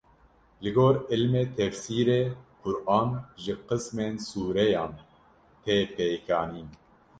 Li gor ilmê tefsîrê Quran ji qismên sûreyan tê pêkanîn.